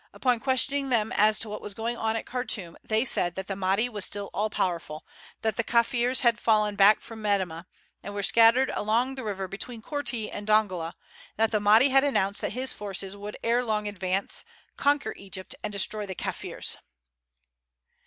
Upon questioning them as to what was going on at Khartoum they said that the Mahdi was still all powerful; that the Kaffirs had fallen back from Metemmeh and were scattered along the river between Korti and Dongola; and that the Mahdi had announced that his forces would ere long advance, conquer Egypt, and destroy the Kaffirs."